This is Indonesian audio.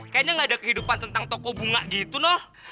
kayaknya gak ada kehidupan tentang toko bunga gitu noh